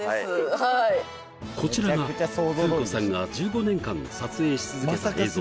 はいこちらが風子さんが１５年間撮影し続けた映像